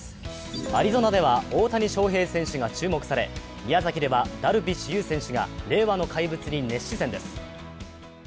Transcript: アリゾナでは大谷翔平選手が注目され、宮崎では、ダルビッシュ有選手が令和の怪物に熱視線です。